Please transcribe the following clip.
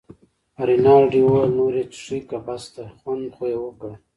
رینالډي وویل: نور یې څښې که بس ده، خوند خو یې وکړ.